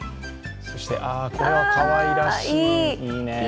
そしてこれはかわいらしい。